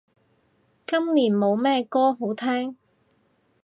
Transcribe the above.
今年冇咩歌好聼